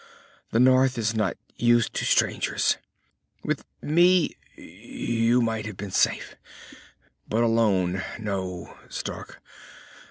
The North is not used to strangers. With me, you might have been safe. But alone.... No, Stark.